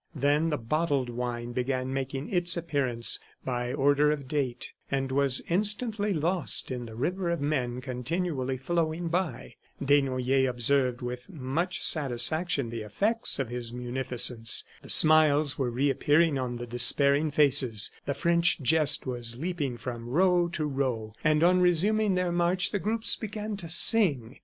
Then the bottled wine began making its appearance by order of date, and was instantly lost in the river of men continually flowing by. Desnoyers observed with much satisfaction the effects of his munificence. The smiles were reappearing on the despairing faces, the French jest was leaping from row to row, and on resuming their march the groups began to sing.